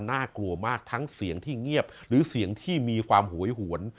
น่ากลัวมากทั้งเสียงที่เงียบหรือเสียงที่มีความหวยหวน